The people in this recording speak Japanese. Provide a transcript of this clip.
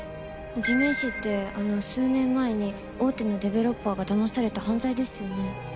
地面師ってあの数年前に大手のデベロッパーがだまされた犯罪ですよね？